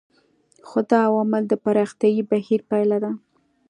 خو دا عوامل د پراختیايي بهیر پایله ده.